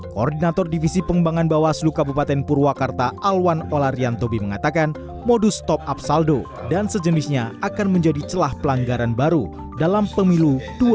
koordinator divisi pengembangan bawaslu kabupaten purwakarta alwan olaryantobi mengatakan modus top up saldo dan sejenisnya akan menjadi celah pelanggaran baru dalam pemilu dua ribu dua puluh